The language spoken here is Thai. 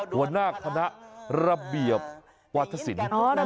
หัวหน้าคณะระเบียบวัฒนศิลป์